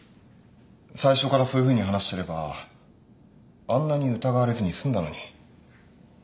最初からそういうふうに話してればあんなに疑われずに済んだのに。